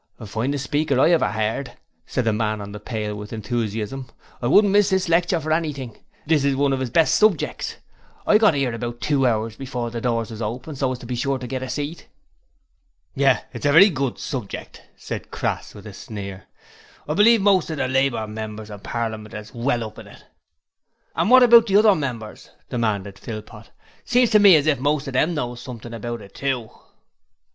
'Finest speaker I ever 'eard,' said the man on the pail with enthusiasm. 'I wouldn't miss this lecture for anything: this is one of 'is best subjects. I got 'ere about two hours before the doors was opened, so as to be sure to get a seat.' 'Yes, it's a very good subject,' said Crass, with a sneer. 'I believe most of the Labour Members in Parliament is well up in it.' 'And wot about the other members?' demanded Philpot. 'Seems to me as if most of them knows something about it too.'